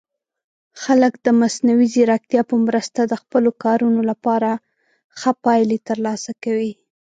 خلک د مصنوعي ځیرکتیا په مرسته د خپلو کارونو لپاره ښه پایلې ترلاسه کوي.